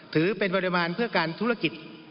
ถือเป็นปริมาณเพื่อการธุรกิจ